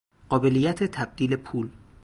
قابلیّت تبدیل پول